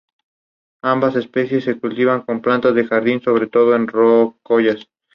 Lo había seguido desde hace un tiempo, mientras corría sin tener un criadero estable.